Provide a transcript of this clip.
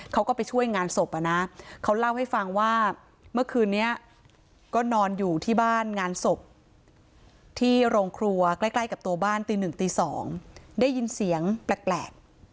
เขาก็ไปช่วยงานศพอ่ะนะเขาเล่าให้ฟังว่าเมื่อคืนนี้ก็นอนอยู่ที่บ้านงานศพที่โรงครัวใกล้กับตัวบ้านตีหนึ่งตี๒ได้ยินเสียงแปลก